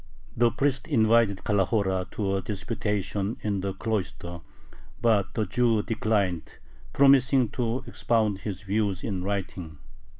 The priest invited Calahora to a disputation in the cloister, but the Jew declined, promising to expound his views in writing.